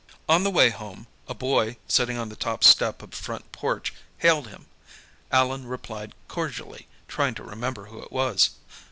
On the way home, a boy, sitting on the top step of a front porch, hailed him. Allan replied cordially, trying to remember who it was.